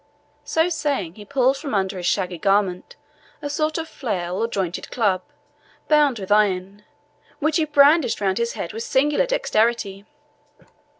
So saying, he pulled from under his shaggy garment a sort of flail or jointed club, bound with iron, which he brandished round his head with singular dexterity.